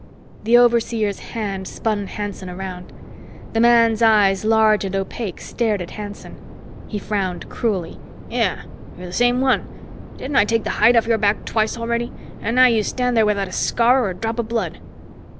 The overseer's hand spun Hanson around. The man's eyes, large and opaque, stared at Hanson. He frowned cruelly. "Yeah, you're the same one! Didn't I take the hide off your back twice already? And now you stand there without a scar or a drop of blood!"